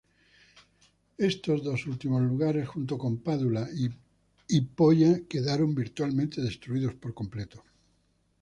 Estos dos últimos lugares, junto con Padula y Polla, quedaron virtualmente destruidas por completo.